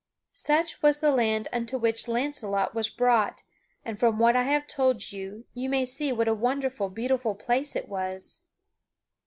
Such was the land unto which Launcelot was brought, and from what I have told you you may see what a wonderful, beautiful place it was.